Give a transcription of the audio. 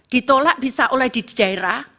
ditolak bisa oleh di daerah